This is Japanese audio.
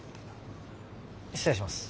失礼します。